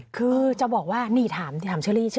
คือจะบอกว่านี่ถามเชรี